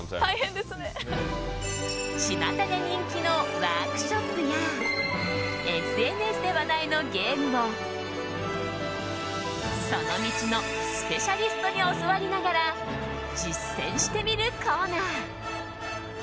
ちまたで人気のワークショップやＳＮＳで話題のゲームをその道のスペシャリストに教わりながら実践してみるコーナー